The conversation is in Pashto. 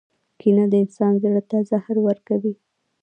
• کینه د انسان زړۀ ته زهر ورکوي.